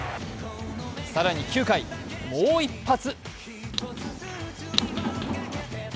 更に９回、もう一発。